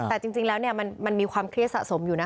แต่จริงแล้วมันมีความเครียดสะสมอยู่นะ